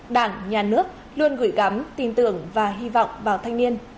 đảng nhà nước luôn gửi gắm tin tưởng và hy vọng vào thanh niên